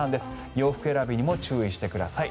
洋服選びにも注意してください。